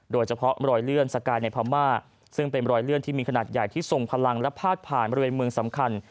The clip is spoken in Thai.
โดยเฉพาะรอยเลื่อนสกายในพม่าซึ่งเป็นรอยเลื่อนที่มีขนาดใหญ่ที่ทรงพลังและพาดผ่านบริเวณเมืองสำคัญ